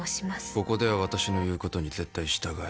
ここでは私の言うことに絶対従え。